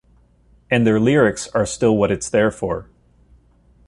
And their lyrics are still what it's there for.